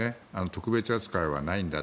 特別扱いはないんだ